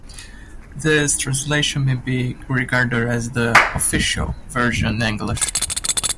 This translation may be regarded as the "official" version in English.